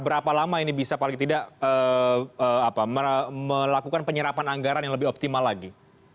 berapa lama ini bisa paling tidak melakukan penyerapan anggaran yang lebih optimal lagi